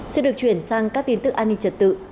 sẽ được chuyển sang các tin tức an ninh trật tự